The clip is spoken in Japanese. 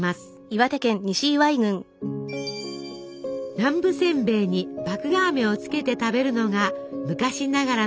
南部せんべいに麦芽あめをつけて食べるのが昔ながらの楽しみ方。